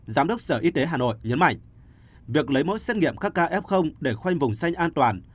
giám đốc sở y tế hà nội nhấn mạnh việc lấy mẫu xét nghiệm kf để khoanh vùng xanh an toàn